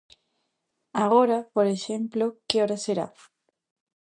Agora, por exemplo, que hora será?